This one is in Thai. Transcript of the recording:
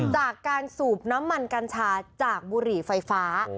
จากการสูบน้ำมันกัญชาจากบุหรี่ไฟฟ้า